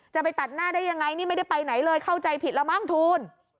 จะไปตัดหน้าได้ยังไงนี่ไม่ได้ไปไหนเลยเข้าใจผิดแล้วมั้งทูล